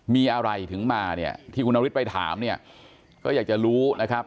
มีอะไรถึงมาเนี่ยที่คุณนฤทธิ์ไปถามเนี่ยก็อยากจะรู้นะครับ